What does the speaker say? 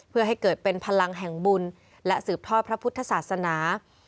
เพื่อให้เกิดเป็นพลังแห่งบุญและสืบทอดพระพุทธศาสนา